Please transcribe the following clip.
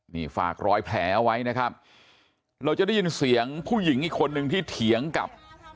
นี่ฝากรอยแผลเอาไว้นะครับเราจะได้ยินเสียงผู้หญิงอีกคนนึงที่เถียงกับ